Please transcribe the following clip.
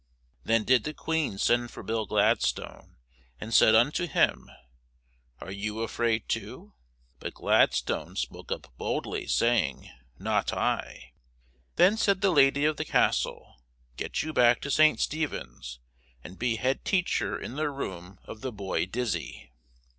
Then did the Queen send for Bill Gladstone, and said unto him, Are you afraid, too? But Gladstone spoke up boldly, saying, Not I. Then said the Lady of the Castle, Get you back to St. Stephen's, and be head teacher in the room of the boy Dizzy.